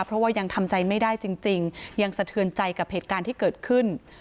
เพราะว่ายังทำใจไม่ได้จริงยังสะเทือนใจกับเหตุการณ์ที่เกิดขึ้น